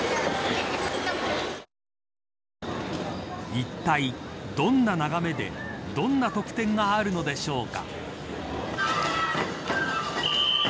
いったい、どんな眺めでどんな特典があるのでしょうか。